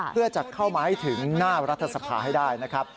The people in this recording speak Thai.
เพื่อจะเข้ามาให้ถึงหน้ารัฐสภาให้ได้นะครับ